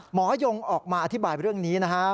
ยงออกมาอธิบายเรื่องนี้นะครับ